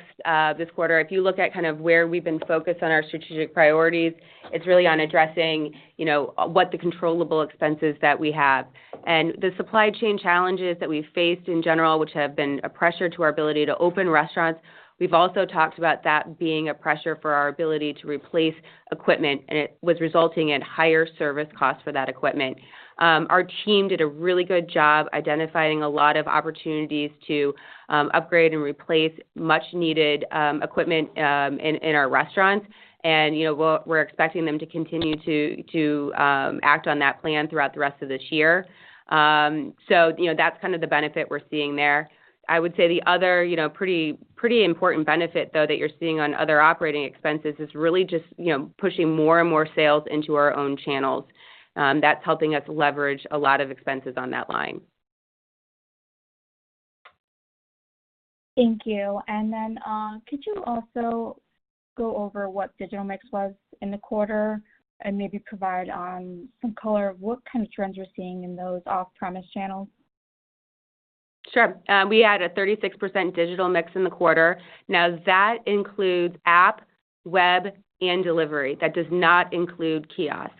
this quarter, if you look at kind of where we've been focused on our strategic priorities, it's really on addressing, you know, what the controllable expenses that we have. The supply chain challenges that we faced in general, which have been a pressure to our ability to open restaurants, we've also talked about that being a pressure for our ability to replace equipment, and it was resulting in higher service costs for that equipment. Our team did a really good job identifying a lot of opportunities to upgrade and replace much needed equipment in our restaurants. You know, we're expecting them to continue to act on that plan throughout the rest of this year. You know, that's kind of the benefit we're seeing there. I would say the other, you know, pretty important benefit though, that you're seeing on other operating expenses is really just, you know, pushing more and more sales into our own channels. That's helping us leverage a lot of expenses on that line. Thank you. Could you also go over what digital mix was in the quarter and maybe provide some color of what kind of trends you're seeing in those off-premise channels? Sure. We had a 36% digital mix in the quarter. That includes app, web, and delivery. That does not include kiosk.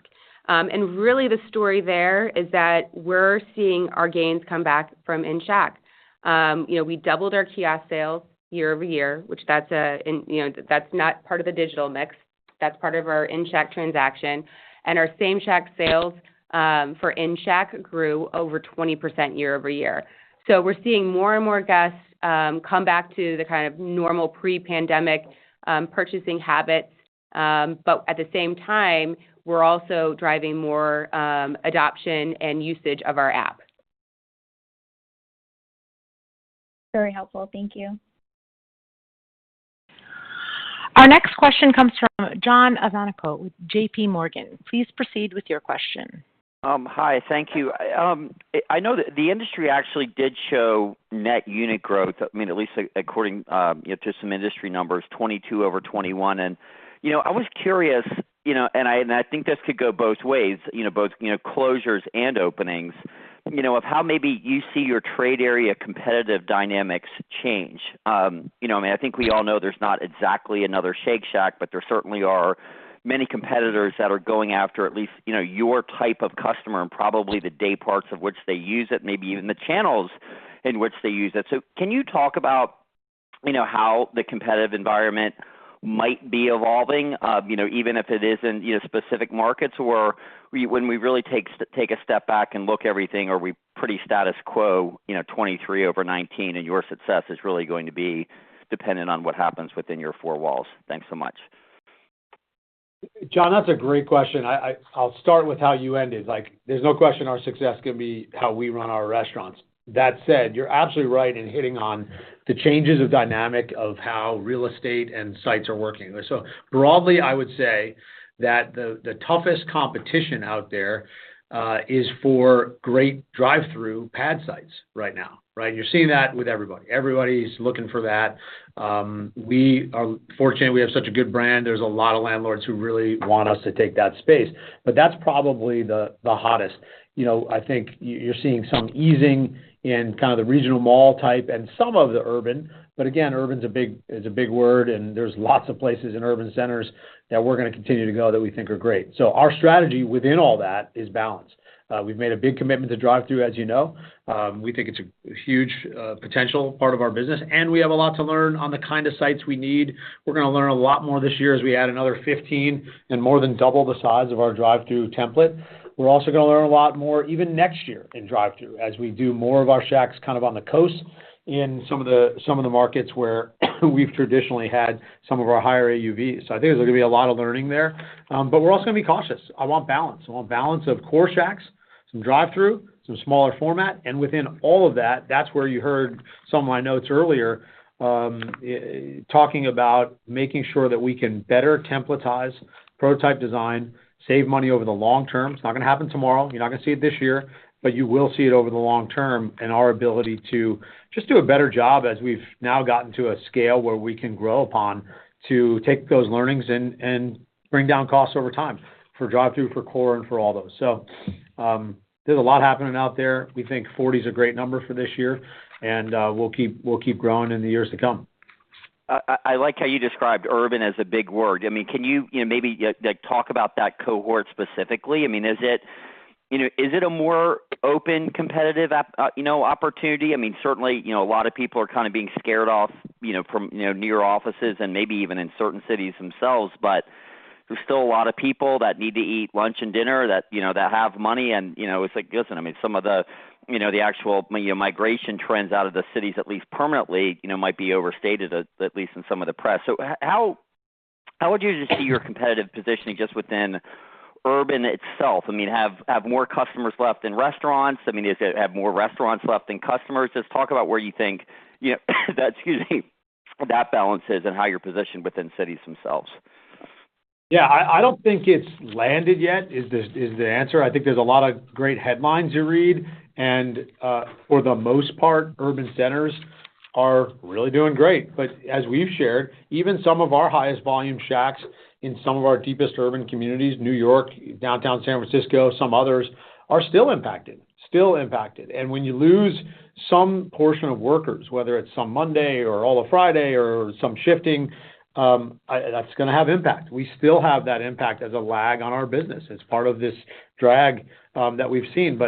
Really the story there is that we're seeing our gains come back from in-Shack. You know, we doubled our kiosk sales year-over-year. You know, that's not part of the digital mix. That's part of our in-Shack transaction. Our Same-Shack sales for in-Shack grew over 20% year-over-year. We're seeing more and more guests come back to the kind of normal pre-pandemic purchasing habits. At the same time, we're also driving more adoption and usage of our app. Very helpful. Thank you. Our next question comes from John Ivankoe with JP Morgan. Please proceed with your question. Hi. Thank you. I know that the industry actually did show net unit growth, I mean, at least according, you know, to some industry numbers, 22 over 21. You know, I was curious, you know, and I, and I think this could go both ways, you know, both, you know, closures and openings, you know, of how maybe you see your trade area competitive dynamics change. You know, I mean, I think we all know there's not exactly another Shake Shack, but there certainly are many competitors that are going after at least, you know, your type of customer and probably the day parts of which they use it, maybe even the channels in which they use it. Can you talk about, you know, how the competitive environment might be evolving, you know, even if it is in, you know, specific markets or when we really take a step back and look everything, are we pretty status quo, you know, 23 over 19, and your success is really going to be dependent on what happens within your four walls? Thanks so much. John, that's a great question. I'll start with how you ended. Like, there's no question our success is gonna be how we run our restaurants. That said, you're absolutely right in hitting on the changes of dynamic of how real estate and sites are working. Broadly, I would say that the toughest competition out there is for great drive-through pad sites right now, right? You're seeing that with everybody. Everybody's looking for that. We are fortunate we have such a good brand. There's a lot of landlords who really want us to take that space, but that's probably the hottest. You know, I think you're seeing some easing in kind of the regional mall type and some of the urban. Again, urban's a big word, and there's lots of places in urban centers that we're going to continue to go that we think are great. Our strategy within all that is balance. We've made a big commitment to drive-through, as you know. We think it's a huge potential part of our business, and we have a lot to learn on the kind of sites we need. We're going to learn a lot more this year as we add another 15 and more than double the size of our drive-through template. We're also going to learn a lot more even next year in drive-through as we do more of our Shacks kind of on the coast in some of the markets where we've traditionally had some of our higher AUVs. I think there's going to be a lot of learning there. We're also gonna be cautious. I want balance. I want balance of core Shacks, some drive-thru, some smaller format, and within all of that's where you heard some of my notes earlier, talking about making sure that we can better templatize prototype design, save money over the long term. It's not gonna happen tomorrow. You're not gonna see it this year, but you will see it over the long term and our ability to just do a better job as we've now gotten to a scale where we can grow upon to take those learnings and bring down costs over time for drive-thru, for core, and for all those. There's a lot happening out there. We think 40 is a great number for this year, and we'll keep growing in the years to come. I like how you described urban as a big word. I mean, can you know, maybe like talk about that cohort specifically? I mean, is it, you know, is it a more open, competitive opportunity? I mean, certainly, you know, a lot of people are kind of being scared off, you know, from, you know, near offices and maybe even in certain cities themselves. There's still a lot of people that need to eat lunch and dinner that, you know, that have money and, you know, it's like, listen, I mean, some of the, you know, the actual migration trends out of the cities, at least permanently, you know, might be overstated at least in some of the press. How would you just see your competitive positioning just within urban itself? I mean, have more customers left than restaurants? I mean, is it have more restaurants left than customers? Just talk about where you think, you know, excuse me, that balance is and how you're positioned within cities themselves. Yeah, I don't think it's landed yet is the answer. I think there's a lot of great headlines you read, and for the most part, urban centers are really doing great. As we've shared, even some of our highest volume Shacks in some of our deepest urban communities, New York, Downtown San Francisco, some others, are still impacted. Still impacted. When you lose some portion of workers, whether it's some Monday or all of Friday or some shifting, that's gonna have impact. We still have that impact as a lag on our business. It's part of this drag that we've seen.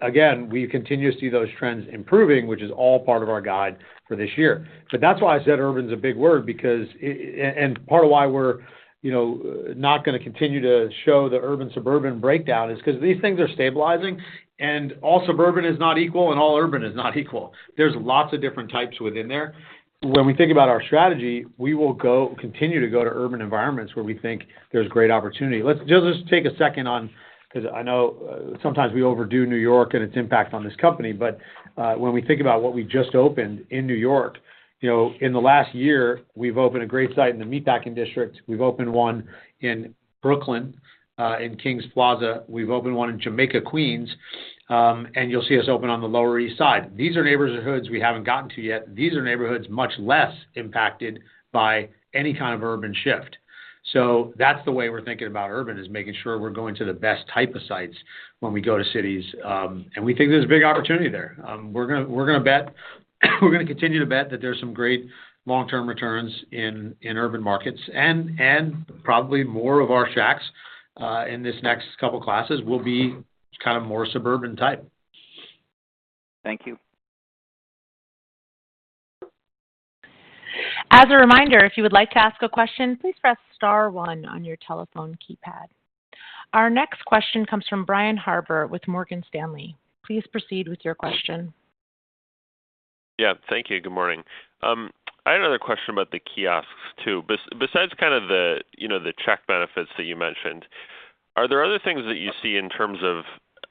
Again, we continue to see those trends improving, which is all part of our guide for this year. That's why I said urban's a big word because and part of why we're, you know, not gonna continue to show the urban/suburban breakdown is 'cause these things are stabilizing, and all suburban is not equal, and all urban is not equal. There's lots of different types within there. When we think about our strategy, we will continue to go to urban environments where we think there's great opportunity. Let's just take a second on, 'cause I know sometimes we overdo New York and its impact on this company. When we think about what we just opened in New York, you know, in the last year, we've opened a great site in the Meatpacking District. We've opened one in Brooklyn, in Kings Plaza. We've opened one in Jamaica, Queens, and you'll see us open on the Lower East Side. These are neighborhoods we haven't gotten to yet. These are neighborhoods much less impacted by any kind of urban shift. That's the way we're thinking about urban, is making sure we're going to the best type of sites when we go to cities, and we think there's a big opportunity there. We're gonna continue to bet that there's some great long-term returns in urban markets and probably more of our Shacks in this next couple classes will be kind of more suburban type. Thank you. As a reminder, if you would like to ask a question, please press star one on your telephone keypad. Our next question comes from Brian Harbour with Morgan Stanley. Please proceed with your question. Thank you. Good morning. I had another question about the kiosks too. Besides kind of the, you know, the check benefits that you mentioned, are there other things that you see in terms of,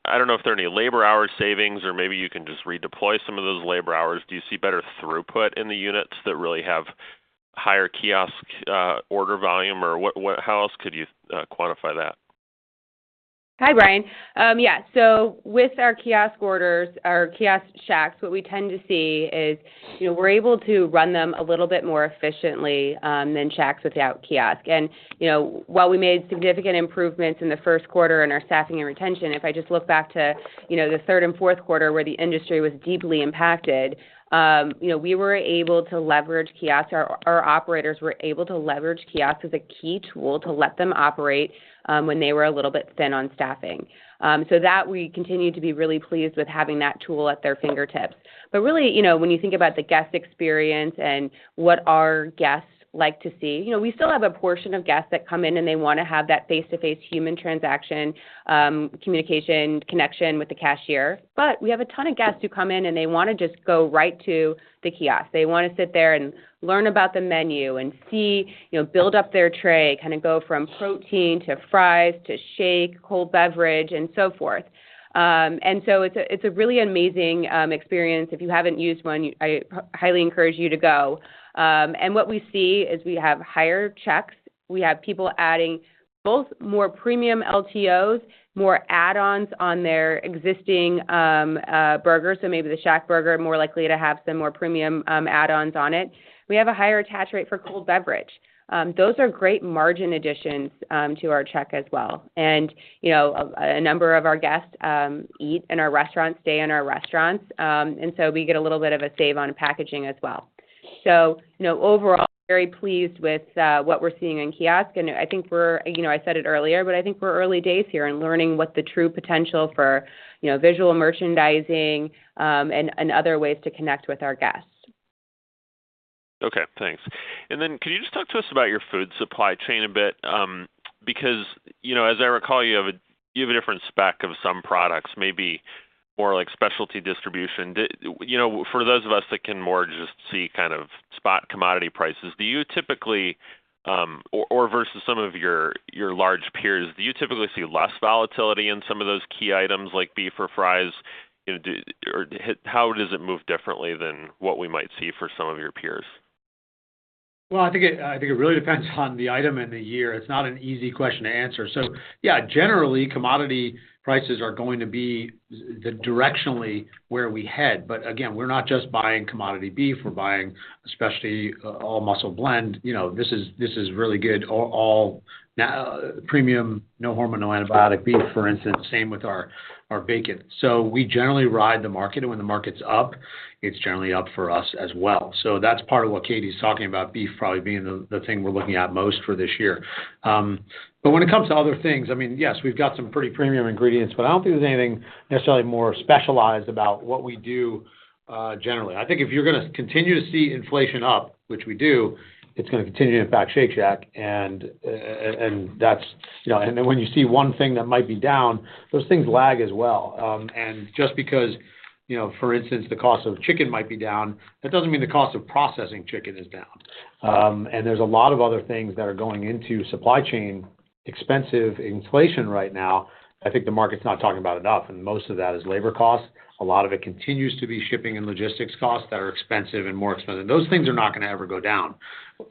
I don't know if there are any labor hour savings or maybe you can just redeploy some of those labor hours? Do you see better throughput in the units that really have higher kiosk order volume? What how else could you quantify that? Hi, Brian. yeah. With our kiosk orders, our kiosk Shacks, what we tend to see is, you know, we're able to run them a little bit more efficiently, than Shacks without kiosk. You know, while we made significant improvements in the first quarter in our staffing and retention, if I just look back to, you know, the third and fourth quarter where the industry was deeply impacted, you know, we were able to leverage kiosks. Our operators were able to leverage kiosks as a key tool to let them operate, when they were a little bit thin on staffing. That we continue to be really pleased with having that tool at their fingertips. Really, you know, when you think about the guest experience and what our guests like to see, you know, we still have a portion of guests that come in, and they wanna have that face-to-face human transaction, communication connection with the cashier. We have a ton of guests who come in, and they wanna just go right to the kiosk. They wanna sit there and learn about the menu and see, you know, build up their tray, kinda go from protein, to fries, to shake, cold beverage, and so forth. It's a really amazing experience. If you haven't used one, I highly encourage you to go. What we see is we have higher checks. We have people adding both more premium LTOs, more add-ons on their existing burgers. Maybe the ShackBurger more likely to have some more premium add-ons on it. We have a higher attach rate for cold beverage. Those are great margin additions to our check as well. You know, a number of our guests eat in our restaurants, stay in our restaurants, we get a little bit of a save on packaging as well. You know, overall, very pleased with what we're seeing in kiosk, I think we're, you know, I said it earlier, I think we're early days here and learning what the true potential for, you know, visual merchandising and other ways to connect with our guests. Okay, thanks. Then could you just talk to us about your food supply chain a bit? Because, you know, as I recall, you have a, you have a different spec of some products, maybe more like specialty distribution. You know, for those of us that can more just see kind of spot commodity prices, do you typically, or versus some of your large peers, do you typically see less volatility in some of those key items like beef or fries? You know, or how does it move differently than what we might see for some of your peers? I think it really depends on the item and the year. It's not an easy question to answer. Yeah, generally, commodity prices are going to be directionally where we head, but again, we're not just buying commodity beef, we're buying especially a all-muscle blend. You know, this is really good all premium, no hormone, no antibiotic beef, for instance. Same with our bacon. We generally ride the market, and when the market's up, it's generally up for us as well. That's part of what Katherine's talking about beef probably being the thing we're looking at most for this year. But when it comes to other things, I mean, yes, we've got some pretty premium ingredients, but I don't think there's anything necessarily more specialized about what we do, generally. I think if you're gonna continue to see inflation up, which we do, it's gonna continue to impact Shake Shack and that's, you know. Then when you see one thing that might be down, those things lag as well. Just because, you know, for instance, the cost of chicken might be down, that doesn't mean the cost of processing chicken is down. There's a lot of other things that are going into supply chain expensive inflation right now, I think the market's not talking about enough, and most of that is labor cost. A lot of it continues to be shipping and logistics costs that are expensive and more expensive. Those things are not gonna ever go down,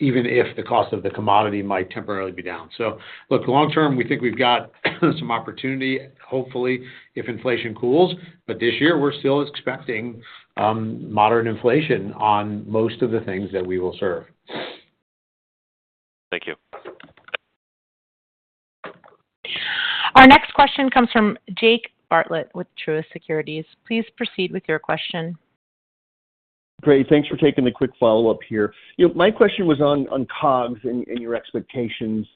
even if the cost of the commodity might temporarily be down. Look, the long term, we think we've got some opportunity, hopefully, if inflation cools. This year, we're still expecting moderate inflation on most of the things that we will serve. Thank you. Our next question comes from Jake Bartlett with Truist Securities. Please proceed with your question. Great. Thanks for taking the quick follow-up here. You know, my question was on COGS and your expectations.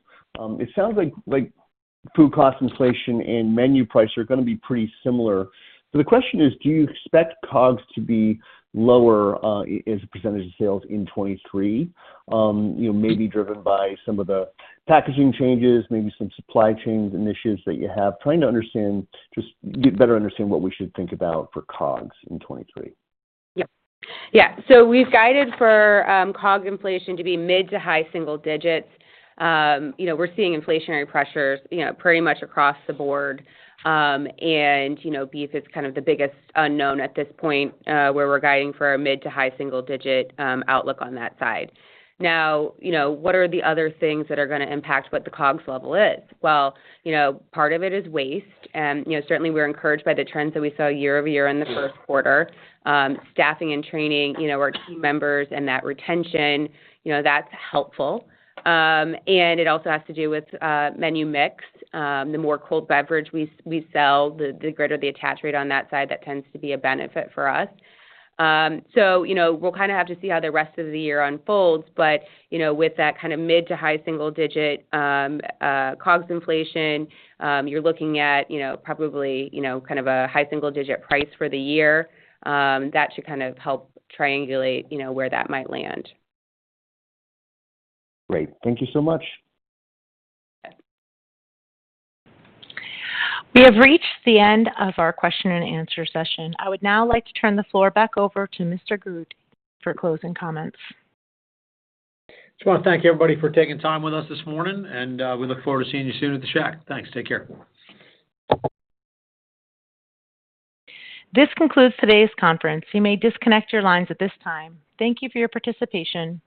It sounds like food cost inflation and menu price are gonna be pretty similar. The question is, do you expect COGS to be lower, as a percentage of sales in 2023, you know, maybe driven by some of the packaging changes, maybe some supply chains initiatives that you have? Trying to just get better understand what we should think about for COGS in 2023. Yep. Yeah. We've guided for COGS inflation to be mid-to-high single digits. You know, we're seeing inflationary pressures, you know, pretty much across the board. You know, beef is kind of the biggest unknown at this point, where we're guiding for a mid-to-high single digit outlook on that side. Now, you know, what are the other things that are gonna impact what the COGS level is? Well, you know, part of it is waste. You know, certainly we're encouraged by the trends that we saw year-over-year in the first quarter. Staffing and training, you know, our team members and that retention, you know, that's helpful. It also has to do with menu mix. The more cold beverage we sell, the greater the attach rate on that side, that tends to be a benefit for us. You know, we'll kinda have to see how the rest of the year unfolds. You know, with that kinda mid-to-high single-digit % COGS inflation, you're looking at, you know, probably, you know, kind of a high single-digit % price for the year. That should kind of help triangulate, you know, where that might land. Great. Thank you so much. Okay. We have reached the end of our question and answer session. I would now like to turn the floor back over to Randy Garutti for closing comments. Just wanna thank everybody for taking time with us this morning, and we look forward to seeing you soon at the Shack. Thanks. Take care. This concludes today's conference. You may disconnect your lines at this time. Thank you for your participation.